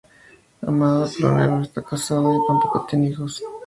Amanda Plummer no está casada y tampoco tiene hijos.